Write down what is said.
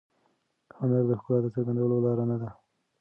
هنر د ښکلا د څرګندولو لاره نه ده.